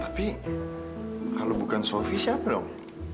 tapi kalau bukan sofi siapa dong